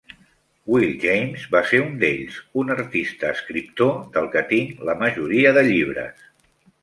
Will James va ser un d'ells, un artista-escriptor del que tinc la majoria de llibres.